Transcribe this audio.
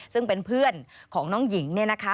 ซึ่งเป็นเพื่อนของน้องหญิงเนี่ยนะคะ